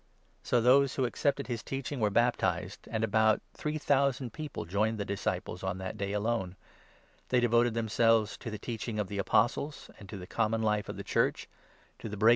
So those who accepted 41 his teaching were baptized, and about three thousand people joined the disciples on that day alone. They devoted them 42 selves to the teaching of the Apostles and to the Common Life of the Church, to the Breaking of the Bread and to the Prayers.